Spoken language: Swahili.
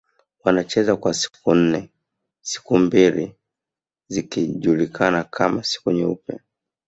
Wanacheza kwa siku nne siku mbili zikijulikana kama siku nyeupe